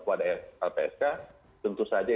kepada lpsk tentu saja